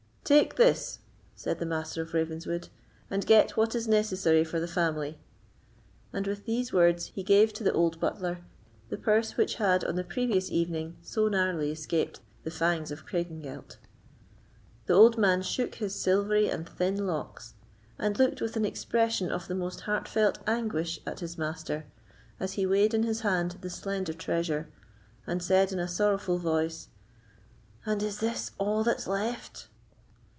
"Take this," said the Master of Ravenswood, "and get what is necessary for the family." And with these words he gave to the old butler the purse which had on the preceding evening so narrowly escaped the fangs of Craigengelt. The old man shook his silvery and thin locks, and looked with an expression of the most heartfelt anguish at his master as he weighed in his hand the slender treasure, and said in a sorrowful voice, "And is this a' that's left?"